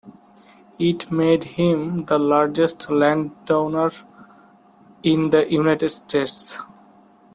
It made him the largest landowner in the United States.